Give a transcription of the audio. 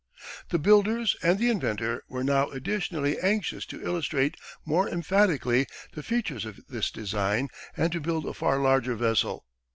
The builders and the inventor were now additionally anxious to illustrate more emphatically the features of this design and to build a far larger vessel.